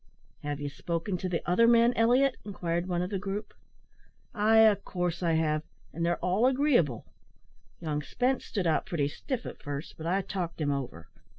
"Have ye spoken to the other men, Elliot?" inquired one of the group. "Ay, in coorse I have; an' they're all agreeable. Young Spense stood out pretty stiff at first; but I talked him over.